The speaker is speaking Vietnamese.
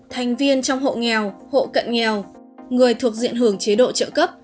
thành viên trong hộ nghèo hộ cận nghèo người thuộc diện hưởng chế độ trợ cấp